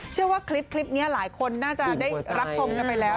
เชื่อว่าคลิปนี้หลายคนน่าจะได้รับชมกันไปแล้ว